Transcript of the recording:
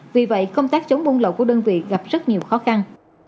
vì vậy công tác chống buôn lậu của đơn vị gặp rất nhiều khó khăn